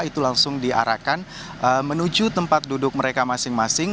itu langsung diarahkan menuju tempat duduk mereka masing masing